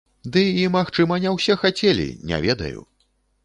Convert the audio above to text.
Ды і, магчыма, не ўсе хацелі, не ведаю.